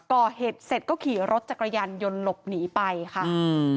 ก่อเหตุเสร็จก็ขี่รถจักรยานยนต์หลบหนีไปค่ะอืม